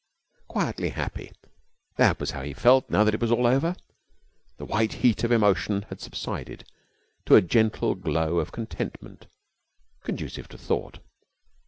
Quietly happy, that was how he felt now that it was all over. The white heat of emotion had subsided to a gentle glow of contentment conducive to thought.